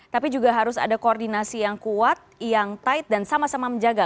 tapi juga harus ada koordinasi yang kuat yang tight dan sama sama menjaga